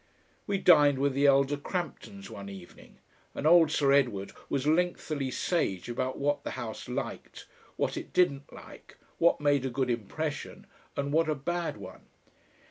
We dined with the elder Cramptons one evening, and old Sir Edward was lengthily sage about what the House liked, what it didn't like, what made a good impression and what a bad one.